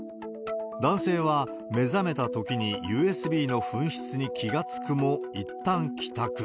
男性は、目覚めたときにＵＳＢの紛失に気が付くも、いったん帰宅。